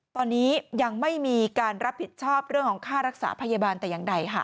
ตอนนี้ยังไม่มีการรับผิดชอบเรื่องของค่ารักษาพยาบาลแต่อย่างใดค่ะ